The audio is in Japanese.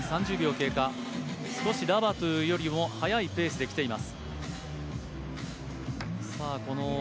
少しラバトゥより速いペースできています。